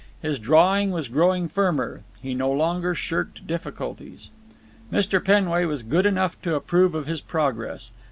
His drawing was growing firmer. He no longer shirked difficulties. Mr. Penway was good enough to approve of his progress.